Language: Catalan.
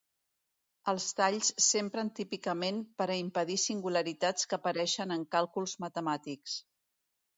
Els talls s'empren típicament per a impedir singularitats que apareixen en càlculs matemàtics.